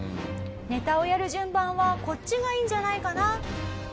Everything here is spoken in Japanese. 「ネタをやる順番はこっちがいいんじゃないかな？」。